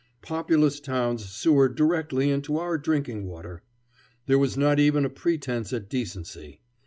Populous towns sewered directly into our drinking water. There was not even a pretence at decency.